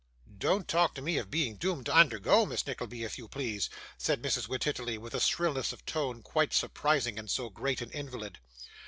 'Don't talk to me of being doomed to undergo, Miss Nickleby, if you please,' said Mrs. Wititterly, with a shrillness of tone quite surprising in so great an invalid.